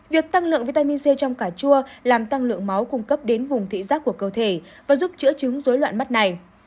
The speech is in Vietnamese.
việc tăng lượng vitamin zel trong cà chua làm tăng lượng máu cung cấp đến vùng thị giác của cơ thể và giúp chữa chứng dối loạn mắt này